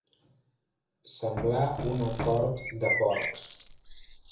Semblar una cort de porcs.